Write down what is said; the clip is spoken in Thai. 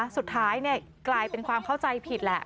สุดท้ายกลายเป็นความเข้าใจผิดแหละ